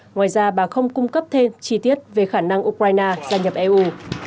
ngoài ra bà không cung cấp thêm chi tiết về khả năng ukraine gia nhập eu